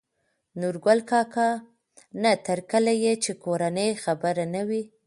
نورګل کاکا : نه تر کله يې چې کورنۍ خبره نه وي